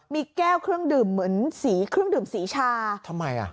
มีแก้วเครื่องดื่มเหมือนสีเครื่องดื่มสีชาทำไมอ่ะ